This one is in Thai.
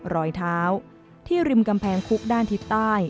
รอยเท้าที่ริมกำแพงคุกด้านทิศใต้